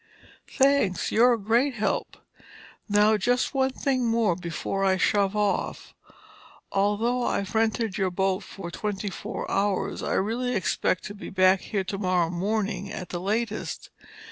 "Thanks. You're a great help. Now, just one thing more before I shove off. Although I've rented your boat for twenty four hours, I really expect to be back here tomorrow morning at the latest.